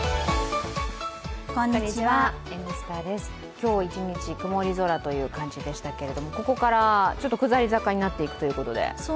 今日１日曇り空という感じでしたけどここから下り坂になっていくということで。